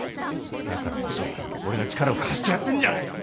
だからこそ俺が力を貸してやってんじゃないか！